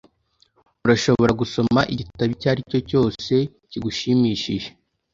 Urashobora gusoma igitabo icyo ari cyo cyose kigushimishije